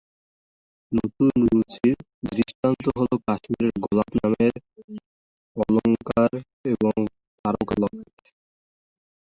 নতুন রুচির দৃষ্টান্ত হলো কাশ্মীরের গোলাপ নামের অলঙ্কার এবং তারকা লকেট।